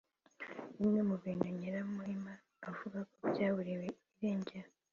Bimwe mu bintu Nyiramuhima avuga ko byaburiwe irengero